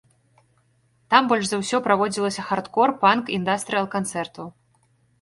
Там больш за ўсё праводзілася хардкор, панк, індастрыял-канцэртаў.